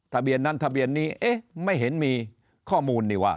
ทะเบียนนั้นทะเบียนนี้เอ๊ะไม่เห็นมีข้อมูลนี่ว่า